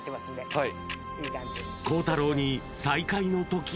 はい